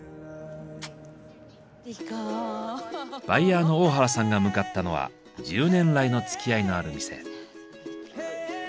バイヤーの大原さんが向かったのは１０年来のつきあいのある店。